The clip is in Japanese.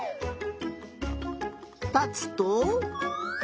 たつと。